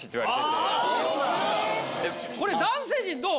これ男性陣どう？